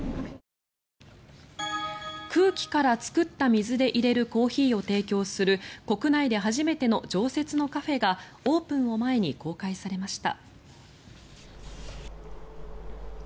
空気から作った水で入れるコーヒーを提供する国内で初めての常設のカフェがオープンを前に公開されました。